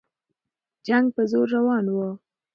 جنګ په زور روان وو.